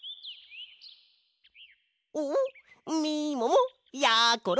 おっみももやころ